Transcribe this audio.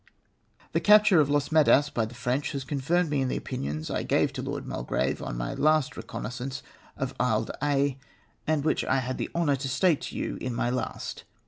"• The captin e of Los Medas by the French has confirmed me in the opinions I gave to Lord jMulgrave on m}^ last re connaissance of He d'Aix, and which I had the honour to state to you in my last.